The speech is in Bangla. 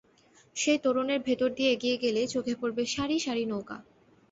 সেই তোরণের ভেতর দিয়ে এগিয়ে গেলেই চোখে পড়বে সারি সারি নৌকা।